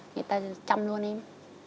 người ta chăm luôn em